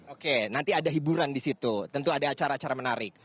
oke nanti ada hiburan di situ tentu ada acara acara menarik